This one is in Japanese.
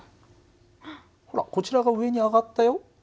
ほらこちらが上に上がったよ。